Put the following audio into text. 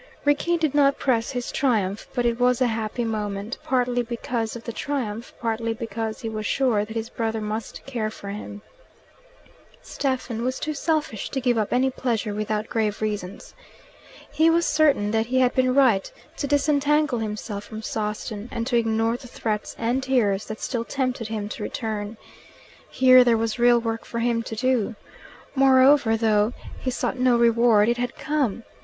Rickie did not press his triumph, but it was a happy moment, partly because of the triumph, partly because he was sure that his brother must care for him. Stephen was too selfish to give up any pleasure without grave reasons. He was certain that he had been right to disentangle himself from Sawston, and to ignore the threats and tears that still tempted him to return. Here there was real work for him to do. Moreover, though he sought no reward, it had come.